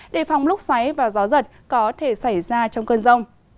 đề phòng lúc xoáy và gió giật có thể xảy ra trong cơn rông